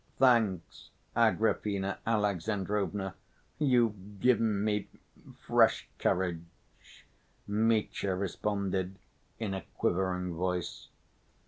"Thanks, Agrafena Alexandrovna, you've given me fresh courage," Mitya responded in a quivering voice.